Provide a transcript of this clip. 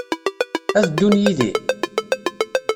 Ad ddun yid-i?